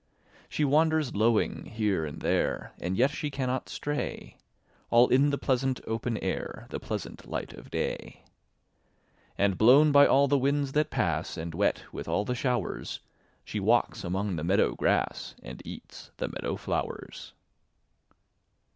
She wanders lowing here and there, And yet she cannot stray, All in the pleasant open air, The pleasant light of day; And blown by all the winds that pass And wet with all the showers, She walks among the meadow grass And eats the meadow flowers.